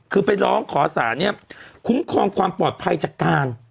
คือไปร้องขอสารเนี่ยคุ้มครองความปลอดภัยจากการ